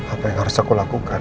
apa yang harus aku lakukan